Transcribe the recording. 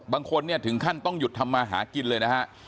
บางคนเนี่ยถึงขั้นต้องหยุดทำมาหากินเลยนะฮะ